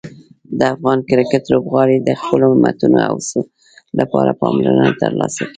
د افغان کرکټ لوبغاړي د خپلو همتونو او هڅو لپاره پاملرنه ترلاسه کوي.